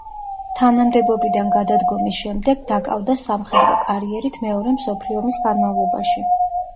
თანამდებობიდან გადადგომის შემდეგ დაკავდა სამხედრო კარიერით მეორე მსოფლიო ომის განმავლობაში.